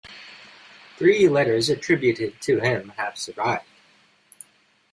Three letters attributed to him have survived.